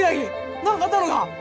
何かあったのか？